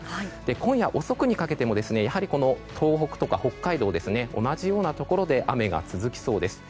今夜遅くにかけても東北とか北海道同じようなところで雨が続きそうです。